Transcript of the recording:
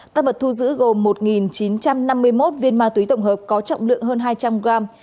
tăng vật thu giữ gồm một chín trăm năm mươi một viên ma túy tổng hợp có trọng lượng hơn hai trăm linh gram